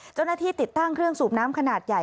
เจ้าหน้าที่ติดตั้งเครื่องสูบน้ำขนาดใหญ่